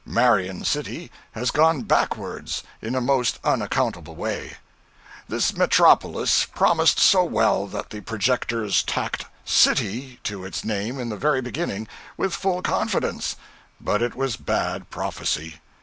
Marion City has gone backwards in a most unaccountable way. This metropolis promised so well that the projectors tacked 'city' to its name in the very beginning, with full confidence; but it was bad prophecy.